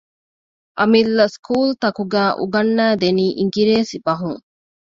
އަމިއްލަ ސްކޫލުތަކުގައި އުނގަންނައިދެނީ އިނގިރޭސި ބަހުން